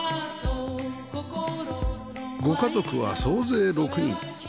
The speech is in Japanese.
ご家族は総勢６人